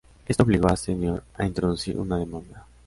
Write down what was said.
Esto obligó a Senior a introducir una demanda.